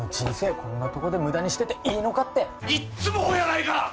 こんなとこで無駄にしてていいのかっていっつもほやないか！